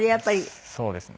そうですね。